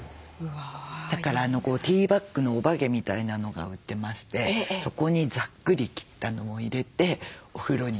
だからティーバッグのおばけみたいなのが売ってましてそこにざっくり切ったのを入れてお風呂に入りながらこう。